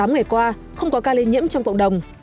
ba mươi tám ngày qua không có ca lây nhiễm trong cộng đồng